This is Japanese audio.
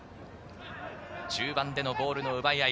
中盤でのボールの奪い合い。